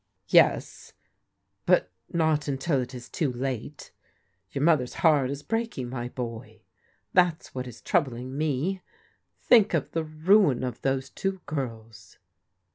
" Yes, but not until it is too late. Your mother's heart is breaking, my boy ; that's what is troubling me. Think of the ruin of those two girls."